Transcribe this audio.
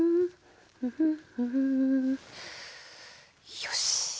よし。